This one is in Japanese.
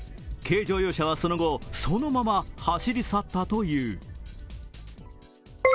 軽乗用車はその後、そのまま走り去ったという。